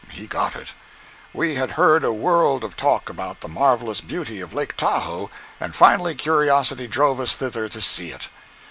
He got it. We had heard a world of talk about the marvellous beauty of Lake Tahoe, and finally curiosity drove us thither to see it.